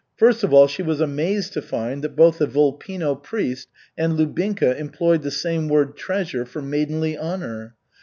First of all she was amazed to find that both the Volpino priest and Lubinka employed the same word "treasure" for maidenly honor.